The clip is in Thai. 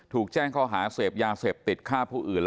ถูกแจ้งข้อหาเสพยาเสพติดฆ่าผู้อื่น